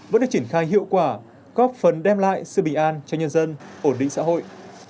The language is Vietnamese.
vẫn được triển khai hiệu quả góp phần đem lại sự bình an cho nhân dân ổn định xã hội